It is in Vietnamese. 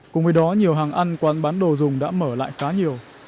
cùng với đó nhiều hàng ăn quán bán đồ dùng đã mở lại khá nhiều